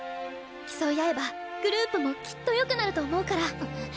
競い合えばグループもきっと良くなると思うから。